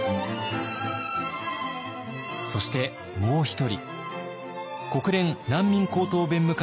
そしてもう一人。